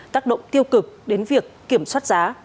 tác động tiêu cực đến việc kiểm soát giá